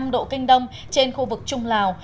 một trăm linh bốn năm độ kinh đông trên khu vực trung lào